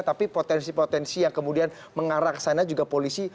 tapi potensi potensi yang kemudian mengarah ke sana juga polisi